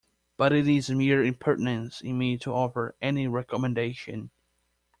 But it is mere impertinence in me to offer any recommendation.